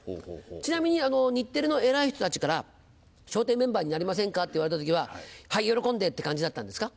ちなみに日テレの偉い人たちから「笑点メンバーになりませんか？」って言われた時は「はい喜んで！」って感じだったんですか？